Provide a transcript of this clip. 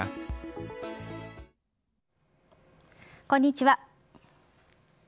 こんにちは。